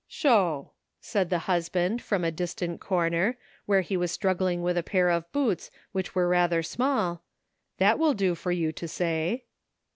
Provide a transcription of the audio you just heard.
"Sho!"said the husband, from a distant cor ner, where he was struggling with a pair of boots which were rather small, " that will do for you to say."